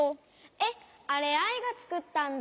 えっあれアイがつくったんだ！